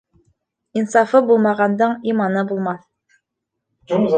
Инсафы булмағандың иманы булмаҫ.